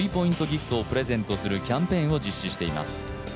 ギフトをプレゼントするキャンペーンを実施しています。